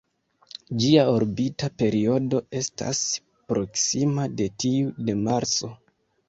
Ĝia orbita periodo estas proksima de tiu de Marso.